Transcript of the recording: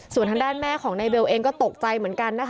ส่วนทางด้านแม่ของนายเบลเองก็ตกใจเหมือนกันนะคะ